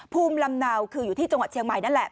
ภูมิลำเนาคืออยู่ที่จังหวัดเชียงใหม่นั่นแหละ